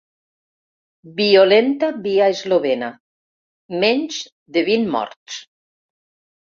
“violenta” via eslovena: menys de vint morts.